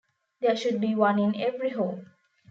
There should be one in every home.